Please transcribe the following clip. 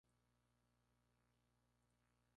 Se encuentra en el Río Amazonas en Brasil.